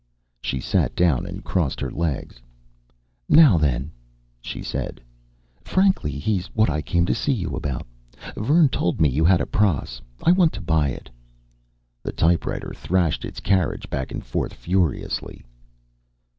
She sat down and crossed her legs. "Now then," she said. "Frankly, he's what I came to see you about. Vern told me you had a pross. I want to buy it." The typewriter thrashed its carriage back and forth furiously.